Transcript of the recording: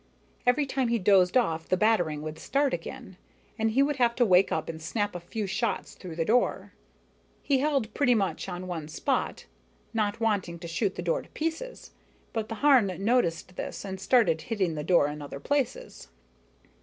Every time he dozed off the battering would start again, and he would have to wake up and snap a few shots through the door. He held pretty much on one spot, not wanting to shoot the door to pieces, but the Harn noticed this, and started hitting the door in other places.